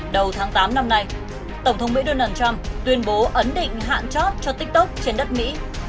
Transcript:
đầu tháng tám năm nay tổng thống mỹ donald trump tuyên bố ấn định hạn chót cho tiktok trên đất mỹ